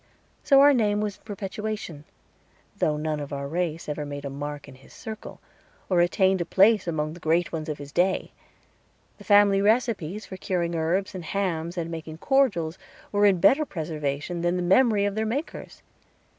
So our name was in perpetuation, though none of our race ever made a mark in his circle, or attained a place among the great ones of his day. The family recipes for curing herbs and hams, and making cordials, were in better preservation than the memory of their makers.